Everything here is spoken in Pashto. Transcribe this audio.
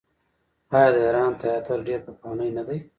آیا د ایران تیاتر ډیر پخوانی نه دی؟